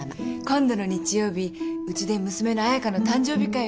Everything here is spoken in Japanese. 今度の日曜日うちで娘の彩香の誕生日会をやります。